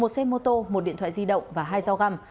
một xe mô tô một điện thoại di động và hai dao găm